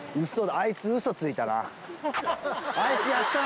あいつうそついたな。